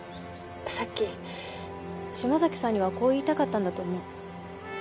さっき島崎さんにはこう言いたかったんだと思う。